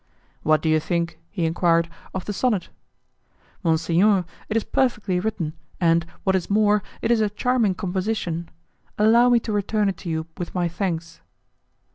"What do you think," he enquired, "of the sonnet?" "Monsignor, it is perfectly written, and, what is more, it is a charming composition. Allow me to return it to you with my thanks."